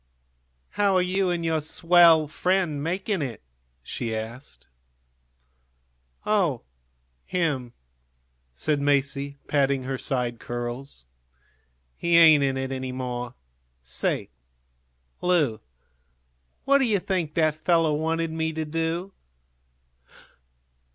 "How are you and your swell friend making it? she asked. "Oh, him?" said Masie, patting her side curls. "He ain't in it any more. Say, Lu, what do you think that fellow wanted me to do?"